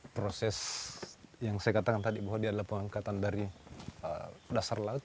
proses yang saya katakan tadi bahwa dia adalah pengangkatan dari dasar laut